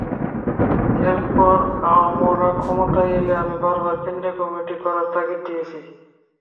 এরপর আমরা ক্ষমতায় এলে আমি বারবার কেন্দ্রে কমিটি করার তাগিদ দিয়েছি।